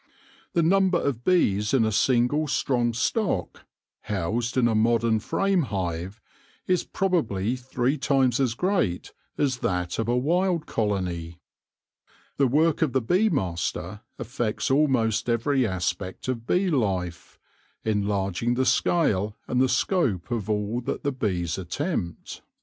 The number of bees in a single strong stock, housed in a modern frame hive, is probably three times as great as that of a wild colony. The work of the bee master affects almost every aspect of bee life, enlarging the scale and the scope of all that the bees attempt.